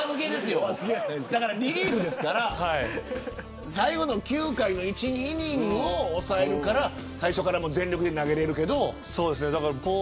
リリーフですから最後の９回の１イニングを抑えるから最初から全力で投げれるけど。